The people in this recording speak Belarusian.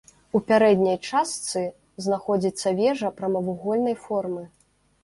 У пярэдняй частцы знаходзіцца вежа прамавугольнай формы.